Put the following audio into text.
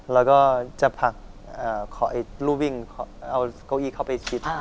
แล้วก็จะผลักรูปวิ่งเอาเก้าอี้เข้าไปชิด